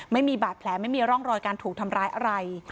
ไม่มีบาดแผลไม่มีร่องรอยการถูกทำร้ายอะไร